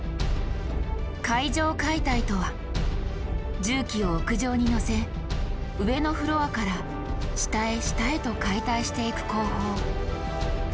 「階上解体」とは重機を屋上にのせ上のフロアから下へ下へと解体していく工法。